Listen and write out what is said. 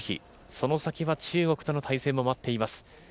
その先は中国との対戦も待っています。